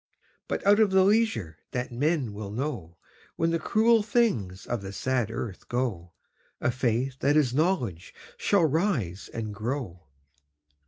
But out of the leisure that men will know, When the cruel things of the sad earth go, A Faith that is Knowledge shall rise and grow.